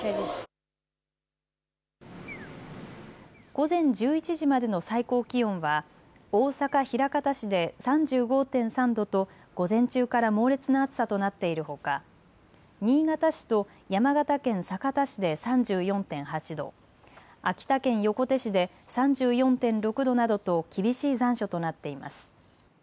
午前１１時までの最高気温は大阪枚方市で３５．３度と午前中から猛烈な暑さとなっているほか新潟市と山形県酒田市で３４．８度、秋田県横手市で３４．６度などと厳しい残暑となっています。